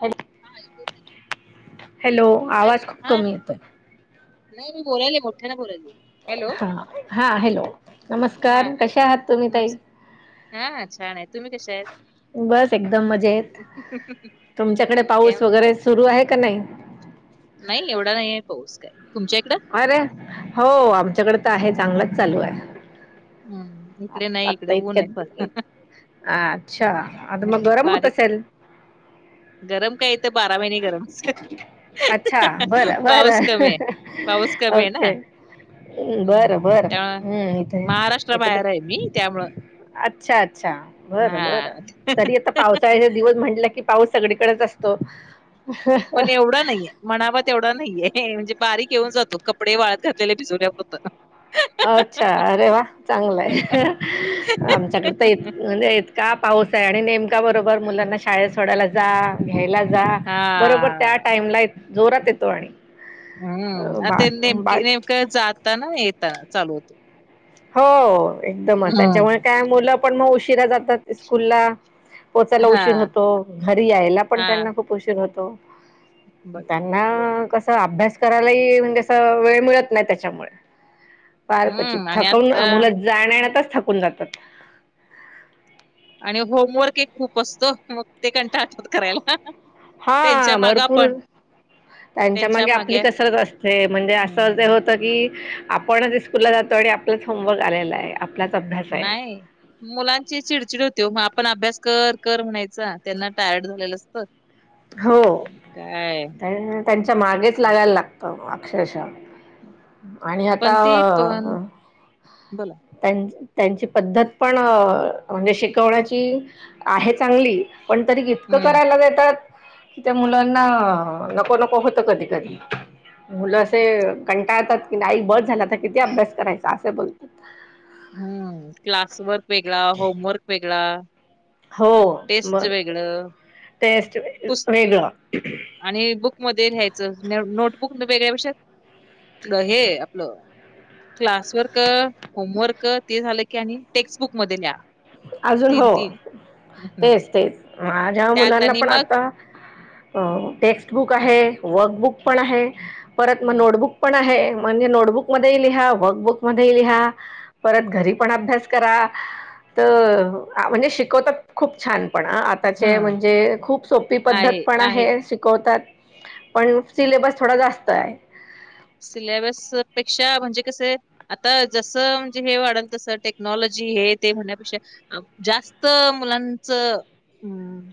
Hello हा ऐकू येतात हॅलो, आवाज खूप कमी येतोय नाही मी बोलायलीये मोठ्यानं बोलायलीये. हा, हा. हॅलो. हा नमस्कार ऐ- कशे आहात तुम्ही ताई? नमस् हा छान आहेत. तुम्ही कशा बस एकदम मजेत, तुमच्याकडे आणि काय पाऊस वगैरे सुरू आहे का नाही.? नाही एवढा नाही आहे पाऊस काय, तुमच्या इकडं? अरे हो, आमच्याकडे तर आहे चांगलंच चालू आहे. हम्म आ इकडे नाही इकडे आता ऊन इतक्या आहे फ अच्छा, ऊन आता आहे मग गरम होत बारीक असेल? गरम काय, इथं बारा महिने गरमच. अच्छा, बर, बर, कमी आहे पाऊस कमी आहे ना ओके. हुं.. बरं, बरं त्यामुळे हूं... महाराष्ट्रा बाहेर आहे मी त्यामुळं. अच्छा, अच्छा, बरं, हा बर तरी आता पावसाळ्याचे दिवस म्हटलं की, पाऊस सगळीकडच असतो. पण एवढं नाहीये. म्हणावा तेवढा नाहीये म्हणजे बारीक येऊन जातो, कपडे वाळत घातलेले भिजवण्यापुरतं. अच्छा! अरे वा चांगलंय आमच्याकडं तर इत म्हणजे इतका पाऊस आहे आणि नेमका बरोबर मुलांना शाळेत सोडायला जा घ्यायला जा बरोबर त्या हां. टाइमला जोरात येतो आणि हं... अ, बा आता बा नेमकी नेमकं जाताना- येताना चालू होतो. हो एकदमच त्यांच्यामुळे हम्म. काय मुलं पण मग उशिरा जातात. स्कूलला पोहोचायला उशीर हां, होतो, घरी यायला पण हां. त्यांना खूप उशीर होतो बघा. त्यां ना कसं अभ्यास करायलाही म्हणजे असं वेळ मिळत नाही त्याच्यामुळे. पार्कची हम्म आणि थकवून आता मुलं जाण्या-येण्यातच थकून जातात. आणि होमवर्क एक खूप असतो, मग ते कंटाळतात. करायला. हा त्यांच्या मागं भरपूर आपण त्यांच्या मागे आपली कसरत असते, म्हणजे असं ते हम्म. होतं की, आपणच स्कूलला जातो आणि आपलंच होमवर्क आलेला आहे. आपलाच अभ्यास आहे नाही. मुलांची चिडचिड होती वो मग आपण अभ्यास कर -कर म्हणायचा त्यांना टायर्ड झालेलं असतं. [unintelligible] हो, काय त्यांच्या मागेच लागायला लागतं अक्षरशः. आणि आता पण ते पण अ बोला. त्यांन त्यांची पद्धत पण म्हणजे शिकवण्याची आहे चांगली, पण तरी इतकं हम्म. करायला देतात. की त्या मुलांना नको -नको होतं कधी -कधी. मुलं असे कंटाळतात कि, आई बस झालं तर किती अभ्यास करायचा असे बोलतात. हूं... क्लासवर्क वेगळा, होमवर्क वेगळा. हो मग तिकडं टेस्ट वेगळं. आणि बुकमध्ये लिहायचं नोटबुक वेगळ्यापेक्षा हे आपलं. क्लासवर्क, होमवर्क, ते झालं की आणि टेक्सटबुक मध्ये लिहा. अजून तीन हो, तीन हम्म. तेच-तेच माझ्या त्यात मुलांना आणि पण, मग आता अ टेक्स्टबुक आहे, वर्कबुक पण आहे, परत मग हम्म नोटबुक पण आहे, म्हणजे नोटबुक मध्येही लिहा, वक्बुक मध्येही लिहा. परत घरी पण, अभ्यास करा. त अ म्हणजे शिकवतात, खूप छान, पण आ त्याचे, हम्म. म्हणजे खूप सोपी पद्धत पण आहे, शिकवतात पण सिलेबस थोडा जास्त य. सिलॅबस पेक्षा, म्हणजे कसय आता जसं, म्हणजे हे वाढल, तसं टेक्नॉलॉजी, हे ते म्हणण्यापेक्षा अप जास्त मुलांचं, हम्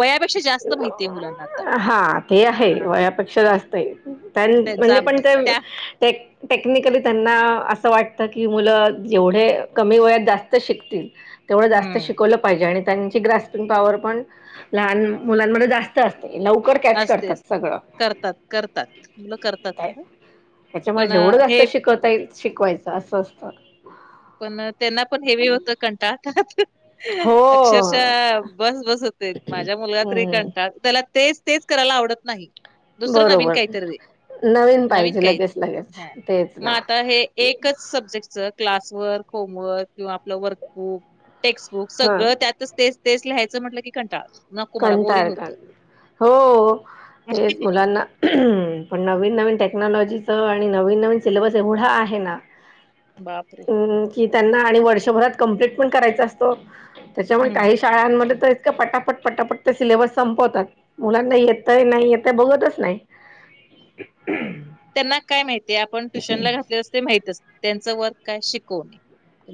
वयापेक्षा जास्त माहितीये, मुलांना आता. पेक्षा जास्तय, तेन त्यांचा म्हणजे पण ते, अभ्यास त्या ते टेक्निकली, त्यांना असं वाटतं की, मुलं जेवढे कमी वयात, जास्त शिकतील तेवढं जास्त, हम्म शिकवलं पाहिजे आणि त्यांची ग्रास्पिंग पॉवर, पण लहान मुलांमध्ये, जास् त असते, लवकर कॅच असते करतात, असते सगळं. करतात करतात मुलं करतात खरं त्याच्यामुळे, पण अ, जेवढं जास्त हे शिकवता येईल, शिकवायचं, असं असतं. पण, त्यांना पण हेवी होत, कंटाळतात. हो अक्षरशः बस-बस होते, माझ्या मुलगा, तरी हम्म कंटाळ, त्याला तेच -तेच करायला आवडत नाही, दुसरं नवीन बरोबर काहीतरी दे. नवीन पाहिजे काही, लगेच लगेच हं तेच म ना आता, हे एकच सब्जेक्टच क्लास वर्क, होमवर्क किंवा आपलं वर्कबुक, टेक्स्टबुक हा सगळं त्यातच तेच-तेच, लिहायचं म्हटलं की, कंटाळ नको मला बोरिंग कंटाळतात, होतं. हो, तेच मुलांना पण नवीन-नवीन टेक्नॉलॉजीचं आणि नवीन-नवीन सिलेबस एवढा, आहे ना बापरे! हम्म, कि त्यांना आणि वर्षभरात, कम्प्लीट पण करायचा असतो. त्याच्यामुळे, हम्म. काही शाळांमध्ये, तर इतका पटापट पटापट ते सिलेबस संपवतात, मुलांना येतय, नाही येतय, बघतच नाही. त्यांना काय माहितीय, आपण ट्युशन ला घातलेस, ते माहितच, त्यांच वर्क काय शिकवणे.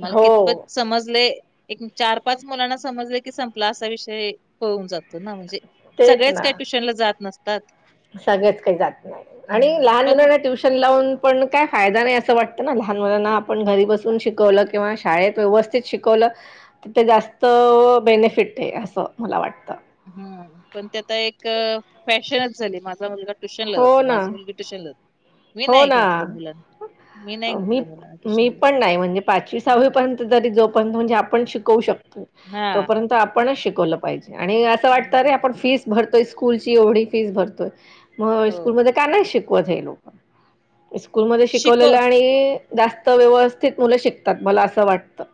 मला हो कितपत समजले, एक-चार-पाच मुलांना समजले की, संपला, असा विषय, होऊन जातो ना, म्हणजे तेच सगळेच काय ना ट्युशनला, जात नसतात. सगळेच, काही जात नाही, आणि लहान पण मुलांना ट्युशन लावून पण काय फायदा नाही, असं वाटतं ना, लहान मुलांना, आपण घरी बसून शिकवलं, किंवा शाळेत व्यवस्थित शिकवलं तिथं जास्त, बेनिफिट ये, असं मला वाटतं. हम्म, पण ते आता, एक फॅशनच झाली, माझा मुलगा ट्युशन ला हो जातो, ना माझी मुलगी ट्युशन ला, मी हो नाही ना घातलं, मुलां मी, मी पण नाही, म्हणजे पाचवी-सहावी पर्यंत, तरी जोपर्यंत, म्हणजे आपण शिकवू शकतो हा. तोपर्यंत आपणच शिकवलं पाहिजे, आणि असं वाटत अरे हम्म. आपण फीस भरतोय, स्कूलची एवढी फीस भरतोय मग हो स्कूलमध्ये का नाही शिकवत, हे लोक, स्कूलमध्ये शिकव शिकवलेलं आणि जास्त व्यवस्थित, मुलं शिकतात, मला असं वाटतं.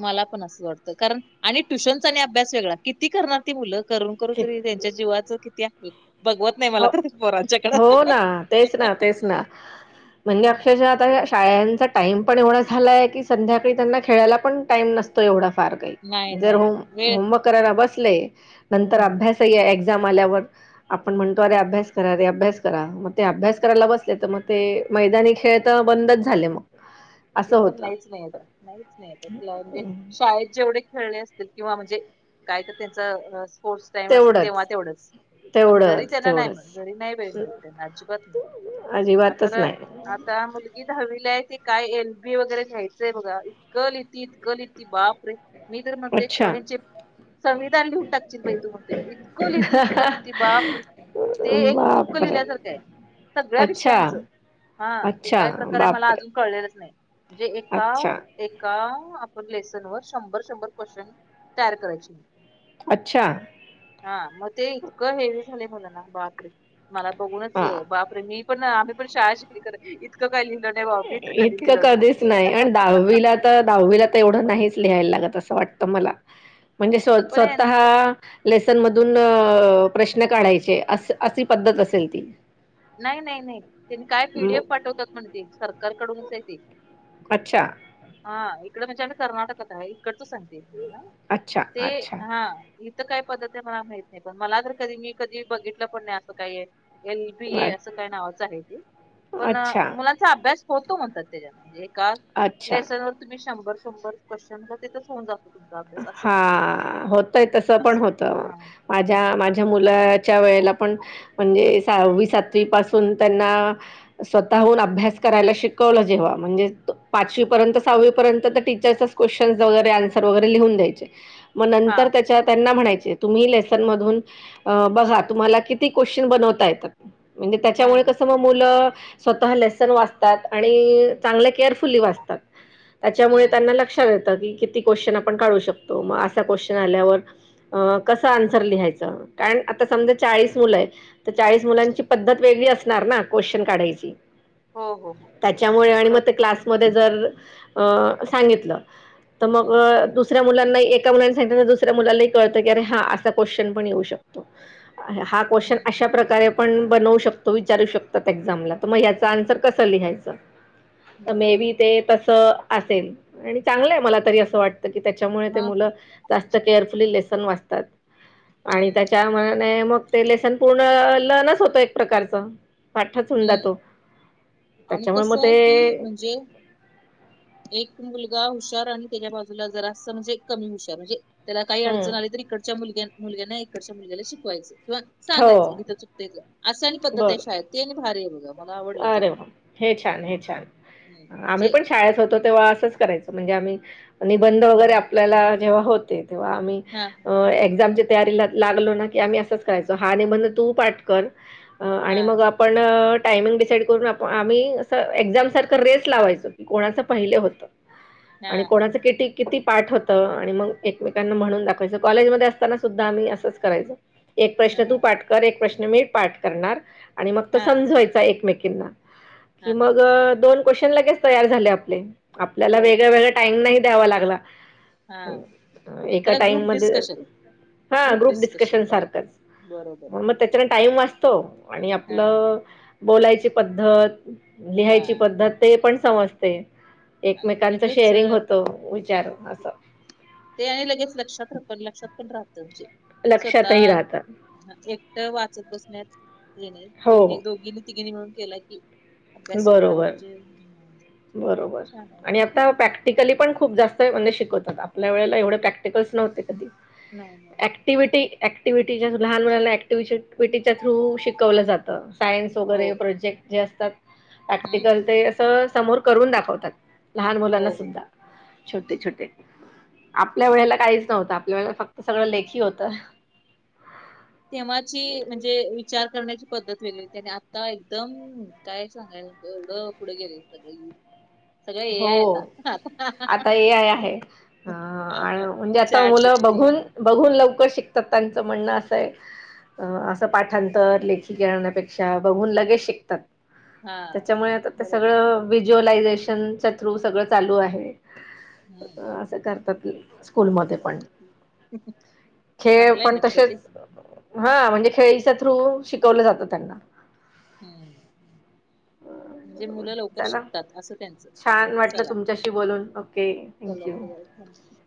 मला पण असंच वाटतं, कारण आणि ट्युशनचा आणि अभ्यास वेगळा, किती करणार ती मुलं, करून-करून तरी त्यां चे जीवाचं, किती हाल, बगवत हो, हो ना, तेच ना, तेच ना. म्हणजे अक्षरशः आता शाळांचा टाइम पण एवढा झालाय, की संध्याकाळी त्यांना खेळायला पण टाइम नसत. तो एवढा फार घाई नाही जर नाही नाही वेळ होमवर्क करायला बसले, नंतर हम्म अभ्यास. सही आहे एक्झाम आल्यावर. आपण म्हणतो, अरे अभ्यास करा, रे अभ्यास करा. मग ते अभ्यास करायला बसले तर मग ते मैदानी खेळ त बंदच झाले मग. त असं तर होतं नाहीच नाही येत नाहीच नाहीेत तिला म्हणजे शाळेत जेवढे खेळले असतील किंवा म्हणजे? काय तर त्यांचा असं स्पोर्टस टाइम असेल तेव्हा तेवढंच तेवढंच. पण घरी तेवढंच त्यांना नाही मिळत, तेवढंच घरी नाही वेळ मिळत त्यांना अजिबात नाही. अजिबातच आता नाही. आता मुलगी धहावीला आहे ते काय येईल फी वगैरे घ्यायचंय बघा, इतकं लिहीती, इतकं लिहीती. बाप रे! मी तर म्हणते अच्छा पोरींचे संविधान लिहून टाकशील बाई तू, म्हणतोय मी इतकं लिहिती, इतकं लिहिती बापरे! ते एक बुक बापरे! लिहिल्यासारख आहे सगळ्या अच्छा, विषयांचं. हा, ते अच्छा, काय प्रकार आहे मला बापरे! अजून कळलेलंच नाही. म्हणजे एका? अच्छा, एका आपण लेसन वर शंभर, शंभर क्वेशचन तयार करायची. अच्छा. हा मग ते इतकं हेवी झाले मुलांना, बापरे! मला बघूनच हां. बापरे, मी पण आम्ही पण शाळा शिकली खरं, इतकं काही लिहिल नाही बाबा मी तर कधी इतकं लिहिलो नाही. कधीच म्हणजे नाही आणि दहावीला तर तर दहावीला तर एवढं नाहीच लिहायला लागत असं वाटतं मला, म्हणजे स्व पण स्वतः लेसन मधून अ प्रश्न काढायचे अस अशी पद्धत असेल ती. नाही, नाही, नाही त्यांनी काय पीडीएफ म- पाठवतात. म्हण ते सरकारकडूनच आहे ते. अच्छा, हा इकड म्हणजे आम्ही कर्नाटकात आहे. इकडच सांगते. अच्छा, ते अच्छा. हा इथं काय पद्धत आहे मला माहित नाही पण मला तर कधी मी कधी बघितलं पण नाही असं काही आहेल. अ पीए अस काही नावाच आहे ते, पण अच्छा, मुलांचा अभ्यास होतो म्हणतात त्याच्यात एका अच्छा. लेसन वर तुम्ही शंभर शंभर क्वेश्चन मग तिथेच होऊन जात. हा, होतय तस पण असं होत. हा माझ्या, माझ्या मुलाच्या वेळेला पण म्हणजे सहावी, सातवी पासून त्यांना स्वतःहून अभ्यास करायला शिकवलं जेव्हा, म्हणजे पाचवी पर्यंत सहावीपर्यंत तर टीचर्स क्वेशन वगैरे आन्सर वगैरे लिहून द्यायचे मग हा नंतर त्याच्या त्यांना म्हणायचेत तुम्ही लेसन मधून बघा, तुम्हाला किती क्वेश्चन बनवता येतात. म्हणजे त्याच्यामुळे हम्म कसं मग? स्वतः लेसन वाचतात आणि चांगल केअरफुली वाचतात. त्याच्यामुळे त्यांना हम्म लक्षात येतं की किती क्वेश्चन आपण काढू शकतो, मग असा क्वेश्चन आल्यावर अ कसं आन्सर लिहायचं? कारण आता समजा चाळीस मुलं आहेत. तर चाळीस मुलांची पद्धत वेगळी असणार ना, क्वेश्चन काढायची हो हो हो त्याच्यामुळे आणि मग बरोबर ते क्लासमध्ये जर अ सांगितलं तर मग हम्म अ दुसऱ्या मुलांना एका मुलांन सांगितलं तर दुसऱ्या मुलाला ही कळतं की असा क्वेश्चनपण येऊ शकतो. हा क्वेश्चन हम्म हम्म अशा प्रकारे पण बनवू शकतो, विचारू शकतात एक्झामला तर मग याच आन्सर कस लिहायच? तर मे बरोबर बी ते तस असेल आणि चांगलंय मला तरी असं वाटत. क त्याच्यामुळे ते हा हा मुलं जास्त केअरफुली लेसन वाचतात. आणि हम्म त्याच्या मने मग ते लेसन पूर्ण लन होतं एक प्रकारचं. पाठचं होऊन हम्म जातो. आणि त्याच्यामुळे मग कसं ते आहे की म्हणजे एक मुलगा हुशार आणि त्याच्या बाजूला जरासं म्हणजे कमी हुशार म्हणजे त्याला काही हम्म अडचण आली तर इकडंच्या मुलग्याने मुलग्याने इकडच्या मुलग्याला शिकवायचं किंवा हो सांगायचं इथं चुकतेय तुम असाइन पद्धत आहे बरं शाळेत. ते एक भारी आहे बघा. मला आवडलं ते अरे पण वा हे छान हे हम्म छान, हम्म आम्ही म्हणजे पण शाळेत होतो तेव्हा असंच कराय म्हणजे आम्ही निबंध वगैरे हम्म आपल्याला जेव्हा होते तेव्हा आम्ही हा एक्सामची तयारीला लागलो ना, की आम्ही असंच करायचो. हा निबंध तू पाठ कर. आणि हा मग आपण टायमिंग डिसाइड करून आपण आम्ही अस एक्झाम सारखं रेस लावायचो. कोणाचं पहिले होतं. हा आणि कोणाच किटी किती पाठ होतं. आणि मग एकमेकांना म्हणून दाखवायचं. कॉलेजमध्ये असताना सुद्धा आम्ही असंच करायचं. एक हा प्रश्न तू पाठ कर. एक प्रश्न मी पाठ करणार. आणि मग तो हा समजवायच. चा एकमेकींना की हा हा मग दोन क्वेशन लगेच तयार झाले आपले. आपल्याला हो वेगळा हो हो वेगळा टाईम नाही द्यावा लागला. हा एका त्याला टाइम ग्रुप मध्ये डिस्कशन हा ग्रुप डिस्कशन सारखंच. बरोबर मग बरोबर त्याच्यानंतर टाईम वाचतो. आणि हा आपलं बोलायची पद्धत हा लिहायची पद्धत ते पण समजते. आणि एकमेकांचं लगेच अ, शेअरिंग होत. विचार असं ते आणि लगेच लक्षात्र पण लक्षात पण राहतं. म्हणजे लक्षातही राहत स्वतः एकटं वाचत बसण्यात येणे हो दोन्ही दोघीनी तिघीने मिळून केला की, अभ्यास वेगळा बरोबर म्हणजे बरोबर छान आणि आहे आता प्रॅक्टिकली पण खूप जास्त तोय म्हणे शिकवतात. आपल्या वेळेला एवढे प्रॅक्टिकल्स नव्हते कधी नाही नाही. ॲक्टिव्हिटी ॲक्टिव्हिटी जास्त लहान मुलांना ॲक्टिवेशन व्हिटी थ्रू शिकवलं जातं. सायन्स हो वगैरे प्रोजेक्ट जे असतात. हम्म प्रॅक्टिकल ते असं समोर करून दाखवतात. लहान मुलांना हो हो सुद्धा छोटे छोटे आपल्या वेळेला काहीच नव्हतं. आपल्या वेळेला फक्त सगळं लेखी होतं. तेव्हाची म्हणजे विचार करण्याची पद्धत वेगली होती. आता एकदम काय सांगायला एवढं पुढे गेले. सगळे येऊन हो. आता ए आय आता आहे. अ म्हणजे आता चॅट मुलं जीपीटी बघून बघून लवकर शिकतात. त्यांचं म्हणणं असंय. अ असं पाठांतर लेखीकरण्यापेक्षा बघून लगेच शिकतात. हा त्याच्यामुळे आता ते बरोबर सगळं विज्युलायजेशन शिक्षणच्या थ्रू सगळं चालू आहे. हम्म असं करतात स्कूलमध्ये पण. खेळ चांगलंय पण ना, खरं तसेच ते. हा म्हणजे खेळीच्या थ्रू शिकवलं जातं त्यांना. हम्, म्हणजे मुलं लवकर चला शिकतात. असं त्यांचं छान वाटलं चला तुमच्याशी बोलून ओके थँक चला यू. [unintelligible]